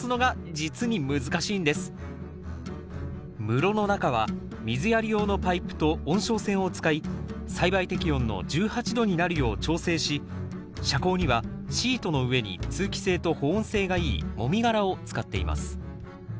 室の中は水やり用のパイプと温床線を使い栽培適温の１８℃になるよう調整し遮光にはシートの上に通気性と保温性がいいもみ殻を使っています